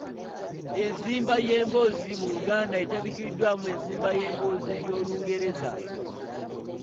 Enzimba y’emboozi mu Luganda etabikiddwamu enzimba y’emboozi ey’Olungereza